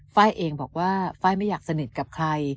ไฟล์เองบอกว่าไฟล์ไม่อยากสนิทกับใคร